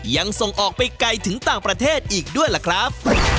ยังส่งออกไปไกลถึงต่างประเทศอีกด้วยล่ะครับ